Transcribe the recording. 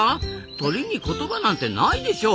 鳥に言葉なんて無いでしょ？